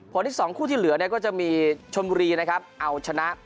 อีก๒คู่ที่เหลือเนี่ยก็จะมีชนบุรีนะครับเอาชนะ